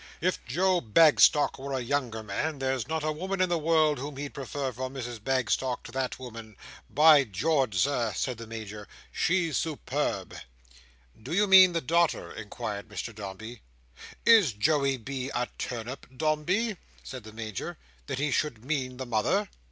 "If Joe Bagstock were a younger man, there's not a woman in the world whom he'd prefer for Mrs Bagstock to that woman. By George, Sir!" said the Major, "she's superb!" "Do you mean the daughter?" inquired Mr Dombey. "Is Joey B. a turnip, Dombey," said the Major, "that he should mean the mother?"